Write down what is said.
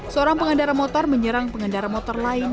seorang pengendara motor menyerang pengendara motor lain